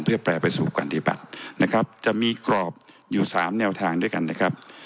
เพื่อแปลไปสู่การปฏิบัตินะครับจะมีกรอบอยู่๓แนวทางด้วยกันนะครับ